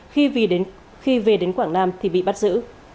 khi về đến quảng nam thì bị bắt giữ